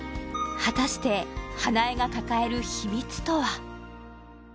果たして花枝が抱える秘密とは？